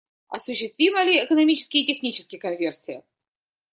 Осуществима ли экономически и технически конверсия?